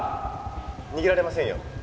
逃げられませんよ